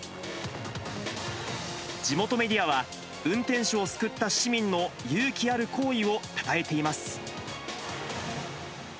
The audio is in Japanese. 地元メディアは、運転手を救った市民の勇気ある行為をたたえています。